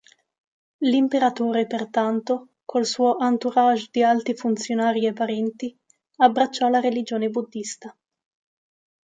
L'imperatore, pertanto, col suo "entourage" di alti funzionari e parenti, abbracciò la religione buddhista.